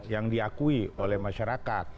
yang diakui oleh masyarakat